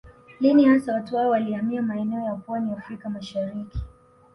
Lini hasa watu hao walihamia maeneo ya pwani ya Afrika ya Mashariki